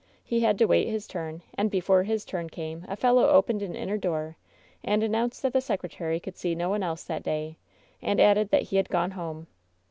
He had to wait his turn, and before his turn came a fellow opened an inner door and announced that the secretary could see no one else that day, and added that he had gone home.